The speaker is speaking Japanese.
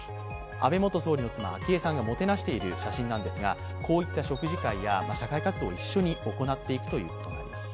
安倍元総理の妻、昭恵さんがもてなしている写真なんですがこういった食事会や社会活動を一緒に行っていくということなんです。